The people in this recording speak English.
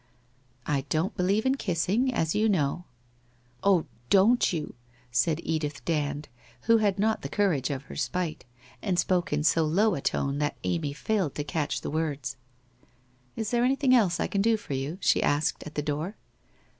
' I don't believe in kissing, as you know/ ' Oh, don't you !' said Edith Dand who had not the courage of her spite, and spoke in so low a tone that Amy failed to catch the words. ' Is there anything else I can do for you ?' she asked, at the door.